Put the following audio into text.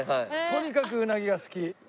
とにかくうなぎが好き。